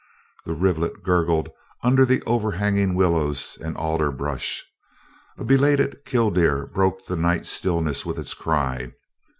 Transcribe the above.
The rivulet gurgled under the overhanging willows and alder brush. A belated kildeer broke the night stillness with its cry.